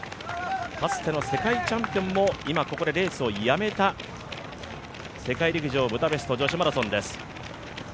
かつての世界チャンピオンも今ここでレースをやめた世界陸上ブダペスト女子マラソンです。